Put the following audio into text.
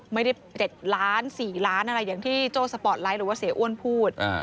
ไม่ได้๗ล้าน๔ล้านอะไรอย่างที่โจ้สปอร์ตไลท์หรือว่าเสียอ้วนพูด